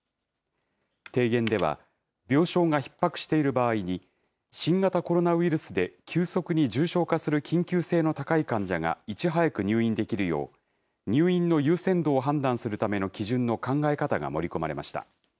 提言では、病床がひっ迫している場合に、新型コロナウイルスで急速に重症化する緊急性の高い患者がいち早く入院できるよう、入院の優先度を判断するための基準の考え方が盛り込まれました。